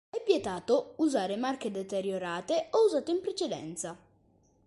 È vietato usare marche deteriorate o usate in precedenza.